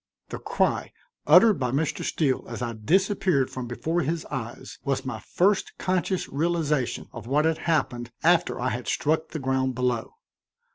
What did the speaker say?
The cry, uttered by Mr. Steele as I disappeared from before his eyes, was my first conscious realization of what had happened after I had struck the ground below.